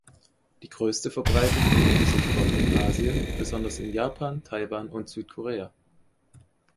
Die größte Verbreitung findet dieser Sport in Asien, besonders in Japan, Taiwan und Südkorea.